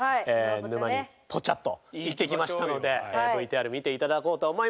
沼にポチャッと行ってきましたのでＶＴＲ見て頂こうと思います！